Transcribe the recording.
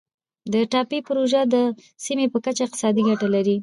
د ټاپي پروژه د سیمې په کچه اقتصادي ګټه لري.